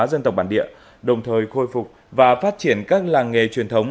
dân tộc bản địa đồng thời khôi phục và phát triển các làng nghề truyền thống